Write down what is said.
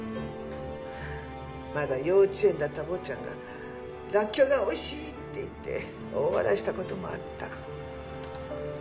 まだ幼稚園だった坊ちゃんが「らっきょうが美味しい」って言って大笑いした事もあった。